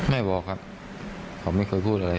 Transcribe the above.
ไม่บอกครับเขาไม่เคยพูดอะไร